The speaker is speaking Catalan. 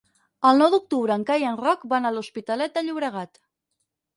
El nou d'octubre en Cai i en Roc van a l'Hospitalet de Llobregat.